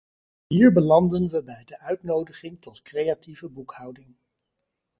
Hier belanden we bij de uitnodiging tot creatieve boekhouding.